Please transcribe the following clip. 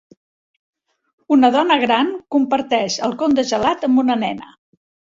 Una dona gran comparteix el con de gelat amb una nena.